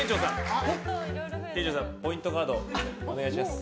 店長さん、ポイントカードをお願いします。